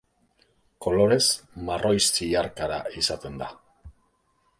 Kolorez marroi zilarkara izaten da.